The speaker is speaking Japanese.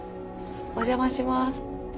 お邪魔します。